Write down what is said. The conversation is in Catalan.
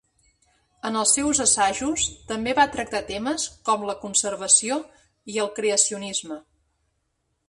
En els seus assajos també va tractar temes com la conservació i el creacionisme.